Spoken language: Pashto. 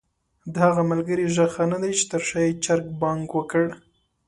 د هغه ملګري ږغ ښه ندی چې تر شا ېې چرګ بانګ وکړ؟!